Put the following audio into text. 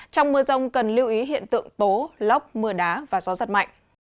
trong mưa rông cần lưu ý hiện tượng tố lốc mưa đá và gió giật mạnh